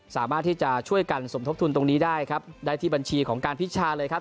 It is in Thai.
สามารถที่จะช่วยกันสมทบทุนตรงนี้ได้ครับได้ที่บัญชีของการพิชาเลยครับ